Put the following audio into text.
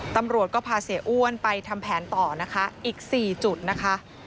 ตำรวจก็พาเสียอ้วนไปทำแผนต่อนะคะอีก๔จุดนะคะ